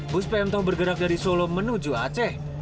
bus pmt bergerak dari solo menuju aceh